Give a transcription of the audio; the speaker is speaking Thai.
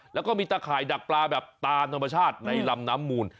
แล้วก็มีตะข่ายดักปลาแบบตามธรรมชาติในลำน้ำมูล